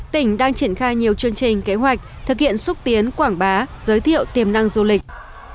tỉnh đang triển khai nhiều chương trình kế hoạch thực hiện xúc tiến quảng bá giới thiệu tiềm năng du lịch